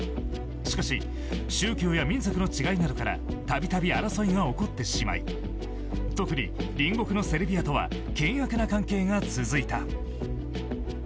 しかし宗教や民族の違いなどからたびたび争いが起こってしまい特に、隣国のセルビアとは険悪な関係が続いた。